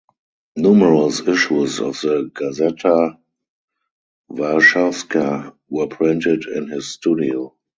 Numerous issues of the "Gazeta Warszawska" were printed in his studio.